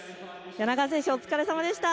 柳川選手お疲れさまでした。